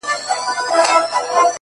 • چلېدل یې په مرغانو کي امرونه,